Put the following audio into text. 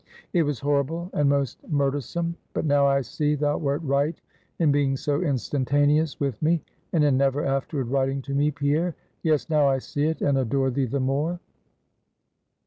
It was horrible and most murdersome; but now I see thou wert right in being so instantaneous with me, and in never afterward writing to me, Pierre; yes, now I see it, and adore thee the more.